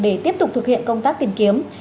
để tiếp tục thực hiện công tác tìm kiếm